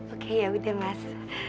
oke yaudah mas